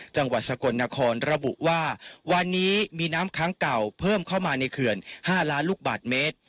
จังหวัดสกลนครระบุว่าวันนี้มีน้ำค้างเก่าเพิ่มเข้ามาในเขื่อน๕ล้านลูกบาทเมตร